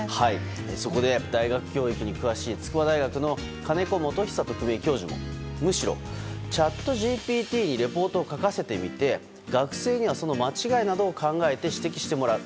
そこで、大学教育に詳しい筑波大学の金子元久特命教授もむしろチャットＧＰＴにレポートを書かせてみて学生には、その間違いなどを考えて指摘してもらう。